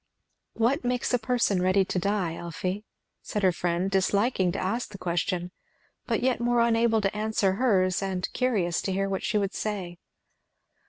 "What makes a person ready to die, Elfie?" said her friend, disliking to ask the question, but yet more unable to answer hers, and curious to hear what she would say.